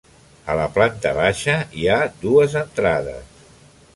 A la planta baixa hi ha dues entrades.